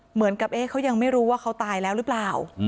เหมือนกับเขายังไม่รู้ว่าเขาตายแล้วหรือเปล่า